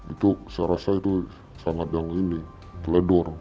itu saya rasa itu sangat yang ini teledor